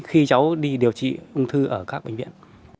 khi cháu đi điều trị ung thư ở các bệnh viện